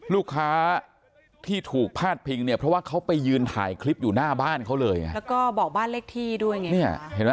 ลูกค้าที่ถูกพาดพิงเนี่ยเพราะว่าเขาไปยืนถ่ายคลิปอยู่หน้าบ้านเขาเลยไงแล้วก็บอกบ้านเลขที่ด้วยไงเนี่ยเห็นไหม